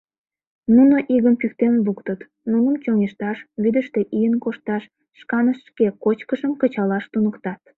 Нуно игым пӱктен луктыт, нуным чоҥешташ, вӱдыштӧ ийын кошташ, шканышт шке кочкышым кычалаш туныктат.